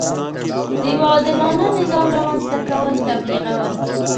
د یوه عادلانه نظام رامنځته کول تبلیغول.